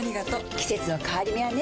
季節の変わり目はねうん。